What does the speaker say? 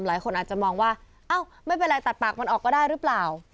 หลายคนอาจจะมองว่าอ้าวไม่เป็นไรตัดปากมันออกก็ได้หรือเปล่า